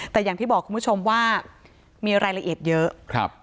แต่อย่างที่บอกคุณผู้ชมว่ามีรายละเอียดเยอะ